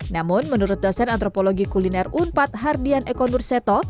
namun menurut dosen antropologi kuliner unpad hardian ekonur seto